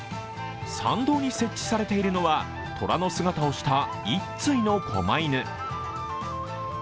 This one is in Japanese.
参道に設置されているのは虎の姿をした一対のこま犬。